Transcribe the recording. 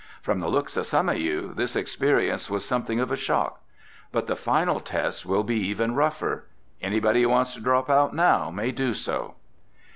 From the looks of some of you, this experience was something of a shock. But the final test will be even rougher. Anybody who wants to drop out now may do so."